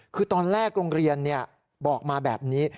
คือตอนแรกโรงเรียนบอกมาแบบนี้